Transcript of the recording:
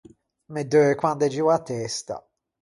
Me deue quande gio a testa.